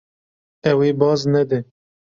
Ew ê baz nede.